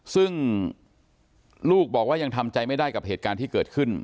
ซึ่งลูกบอกว่ายังทำใจไม่ได้กับเหตุการณ์ที่เกิดขึ้น